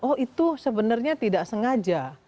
oh itu sebenarnya tidak sengaja